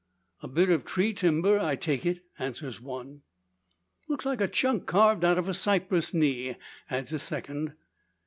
"A bit of tree timber, I take it," answers one. "Looks like a chunk carved out of a cypress knee," adds a second.